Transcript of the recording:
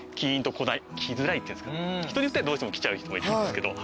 人によってはどうしてもきちゃう人もいるんですけど。